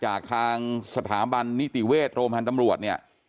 จากทางสถาบันนิติเวศโรงพันธ์ตำรวจ